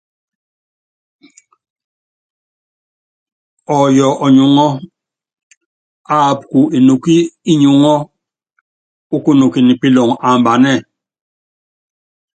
Ɔyɔ ɔnyuŋɔ́ aap ku enukí ukunɔkɛn pilɔŋ epí aambanɛ.